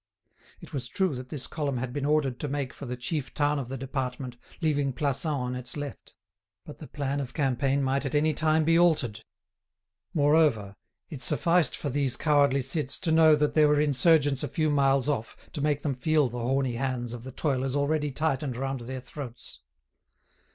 It was true that this column had been ordered to make for the chief town of the department, leaving Plassans on its left; but the plan of campaign might at any time be altered; moreover, it sufficed for these cowardly cits to know that there were insurgents a few miles off, to make them feel the horny hands of the toilers already tightened round their throats.